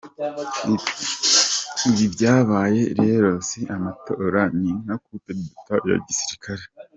ibi byabaye rero si amatora, ni nka Coup d’Etat ya gisirikari.